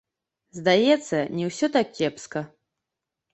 Здаецца, не ўсё так кепска.